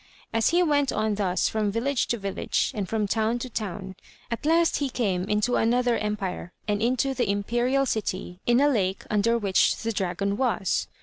As he went on thus from village to village, and from town to town, at last he came into another empire and into the imperial city, in a lake under which the dragon was.